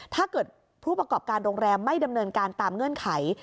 ถ้าเกิดผู้ประกอบการโรงแรมไม่ดำเนินการตามเงื่อนไข